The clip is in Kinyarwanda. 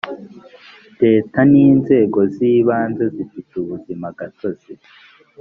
leta n inzego z ibanze zifite ubuzima gatozi